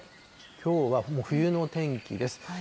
きょうはもう冬の天気です。